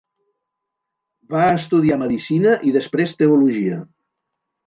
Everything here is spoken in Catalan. Va estudiar medicina i després teologia.